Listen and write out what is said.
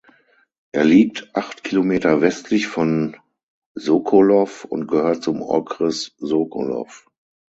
Er liegt acht Kilometer westlich von Sokolov und gehört zum Okres Sokolov.